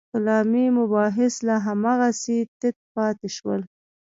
کلامي مباحث لا هماغسې تت پاتې شول.